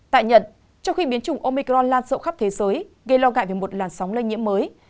tại nhật trong khi biến chủng omicron lan rộng khắp thế giới gây lo ngại về một làn sóng lây nhiễm mới